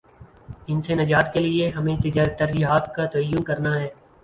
ان سے نجات کے لیے ہمیں ترجیحات کا تعین کرنا ہے۔